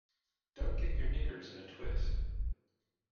Don't get your knickers in a twist